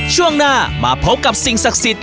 ช่วงหน้ามาพบกับสิ่งศักดิ์สิทธิ